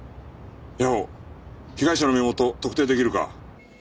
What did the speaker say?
谷保被害者の身元特定できるか？